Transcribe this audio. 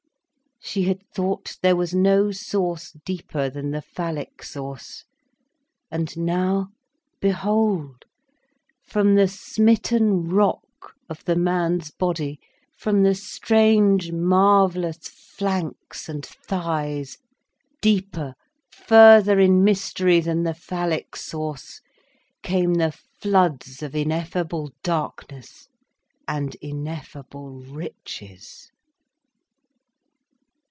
She had thought there was no source deeper than the phallic source. And now, behold, from the smitten rock of the man's body, from the strange marvellous flanks and thighs, deeper, further in mystery than the phallic source, came the floods of ineffable darkness and ineffable riches.